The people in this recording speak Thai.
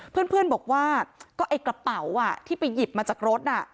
เพื่อนบอกว่าก็ไอ้กระเป๋าที่ไปหยิบมาจากรถน่ะ